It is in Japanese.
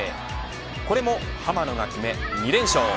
これも浜野が決め、２連勝。